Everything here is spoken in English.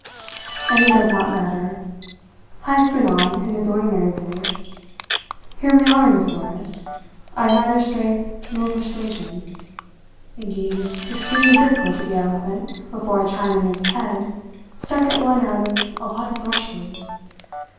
"And it does not matter," Heyst went on in his ordinary voice. "Here we are in the forest. I have neither strength nor persuasion. Indeed, it's extremely difficult to be eloquent before a Chinaman's head stuck at one out of a lot of brushwood.